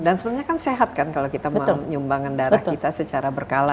sebenarnya kan sehat kan kalau kita menyumbangkan darah kita secara berkala